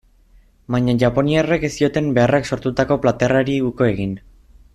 Baina japoniarrek ez zioten beharrak sortutako plater hari uko egin.